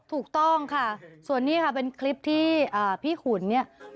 ถูกต้องค่ะส่วนนี้ค่ะเป็นคลิปที่พี่ขุนเนี่ย